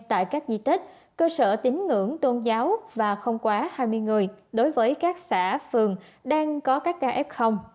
tại các di tích cơ sở tính ngưỡng tôn giáo và không quá hai mươi người đối với các xã phường đang có các kf